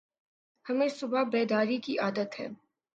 ہمیں صبح بیداری کی عادت ہے ۔